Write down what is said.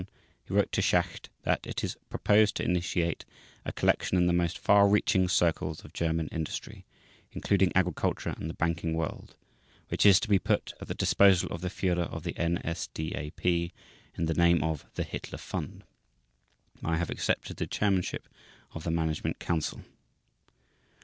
On 30 May 1933 he wrote to Schacht that: "It is proposed to initiate a collection in the most far reaching circles of German industry, including agriculture and the banking world, which is to be put at the disposal of the Führer of the NSDAP in the name of 'The Hitler Fund' .... I have accepted the chairmanship of the management council."